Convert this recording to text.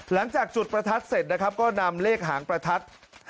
หลังจากจุดประทัดเสร็จนะครับก็นำเลขหางประทัด